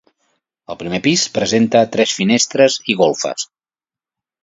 El primer pis presenta tres finestres i golfes.